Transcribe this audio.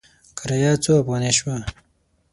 کرایه څو افغانې شوه؟